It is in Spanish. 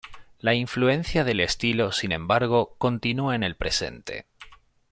La influencia del estilo, sin embargo, continúa en el presente.